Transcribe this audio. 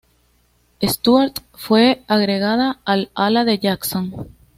Stuart fue agregada al ala de Jackson.